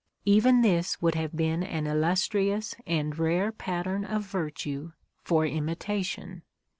Even this would have been an illustrious and rare pattern of virtue for imitation.